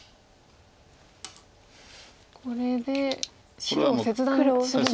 これで白を切断するんですね。